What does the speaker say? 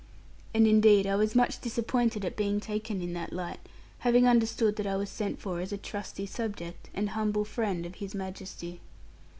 And indeed I was much disappointed at being taken in that light, having understood that I was sent for as a trusty subject, and humble friend of His Majesty.